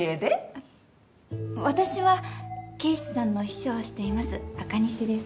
あっ私は啓士さんの秘書をしています赤西です。